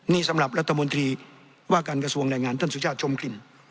นี่สำหรับรัฐมนตรีว่าการกระทรวงแรงงานท่านสุชาติชมกลิ่น